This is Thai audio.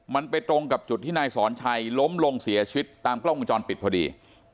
มันไปตรงกับจุดที่นายสอนชัยล้มลงเสียชีวิตตามกล้องวงจรปิดพอดี